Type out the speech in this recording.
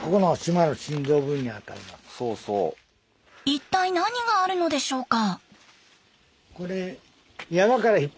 一体何があるのでしょうか。